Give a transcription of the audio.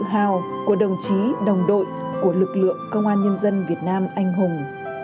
các anh là niềm tự hào của đồng chí đồng đội của lực lượng công an nhân dân việt nam anh hùng